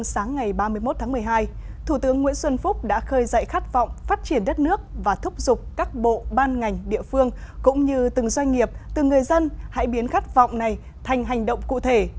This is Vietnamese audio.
sáng ngày ba mươi một tháng một mươi hai thủ tướng nguyễn xuân phúc đã khơi dậy khát vọng phát triển đất nước và thúc giục các bộ ban ngành địa phương cũng như từng doanh nghiệp từng người dân hãy biến khát vọng này thành hành động cụ thể